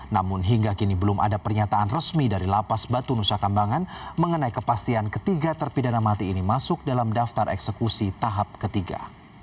namun hingga kini belum ada pernyataan resmi dari lapas batu nusa kambangan mengenai kepastian ketiga terpidana mati ini masuk dalam daftar eksekusi tahap ketiga